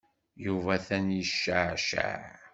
Yuba atan yecceɛceɛ.